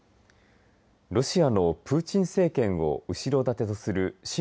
ロシアのプーチン政権を後ろ盾とする親